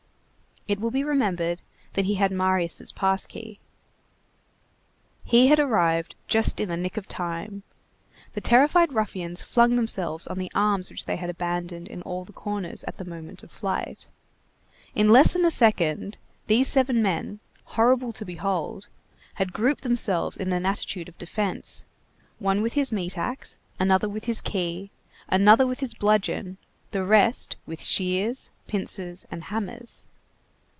It will be remembered that he had Marius' pass key. He had arrived just in the nick of time. The terrified ruffians flung themselves on the arms which they had abandoned in all the corners at the moment of flight. In less than a second, these seven men, horrible to behold, had grouped themselves in an attitude of defence, one with his meat axe, another with his key, another with his bludgeon, the rest with shears, pincers, and hammers.